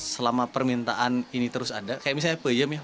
selama permintaan ini terus ada kayak misalnya peyem ya